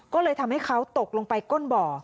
ก็เลยทำให้เขาตกลงไปก้นบ่อ